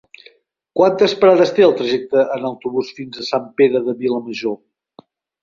Quantes parades té el trajecte en autobús fins a Sant Pere de Vilamajor?